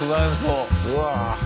うわ。